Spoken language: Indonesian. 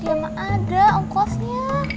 dia mah ada ongkosnya